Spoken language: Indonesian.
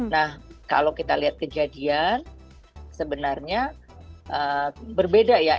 nah kalau kita lihat kejadian sebenarnya berbeda ya